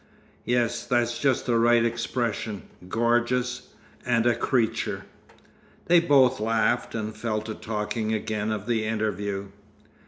"Yes, that's just the right expression. Gorgeous. And a creature." They both laughed, and fell to talking again of the interview.